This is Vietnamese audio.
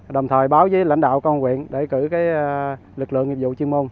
đồng thời báo với lãnh đạo công an huyện để cử lực lượng nghiệp dụng chuyên môn